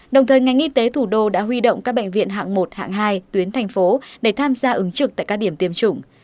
đồng thời ngành y tế thủ đô đã huy động các bệnh viện hạng một hạng hai tuyến thành phố để tham gia ứng trực tại các điểm tiêm chủng